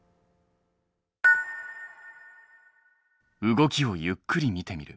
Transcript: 動きをゆっくり見てみる。